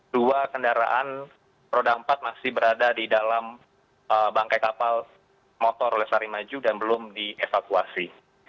dua kendaraan roda empat masih berada di dalam bangkai kapal motor lestari maju dan belum dievakuasi